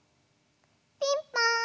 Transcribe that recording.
ピンポーン！